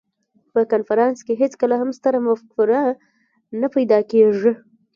په کنفرانس کې هېڅکله هم ستره مفکوره نه پیدا کېږي.